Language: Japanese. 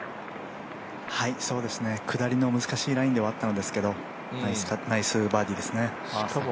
下りの難しいラインではあったんですけど、ナイスバーディーですね。